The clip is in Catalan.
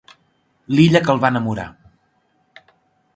L'illa que el va enamorar.